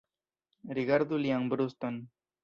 Rigardu lian bruston.